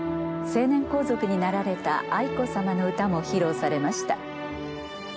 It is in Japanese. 成年皇族になられた愛子さまの歌も披露されました。